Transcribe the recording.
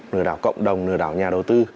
lừa đảo cộng đồng lừa đảo nhà đầu tư